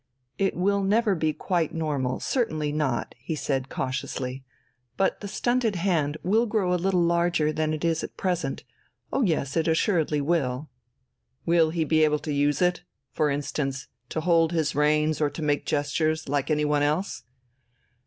"It will never be quite normal, certainly not," he said cautiously. "But the stunted hand will grow a little larger than it is at present, oh yes, it assuredly will ..." "Will he be able to use it? For instance ... to hold his reins or to make gestures, like any one else?..."